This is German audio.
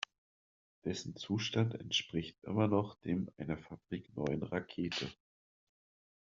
Dessen Zustand entspricht immer noch dem einer fabrikneuen Rakete.